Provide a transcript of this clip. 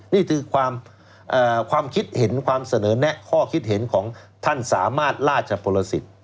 นี่คือความคิดเห็นความเสนอแนะข้อคิดเห็นของท่านสามารถราชพลสิทธิ์